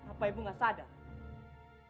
apa ibu gak sadar